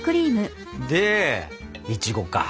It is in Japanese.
でいちごか。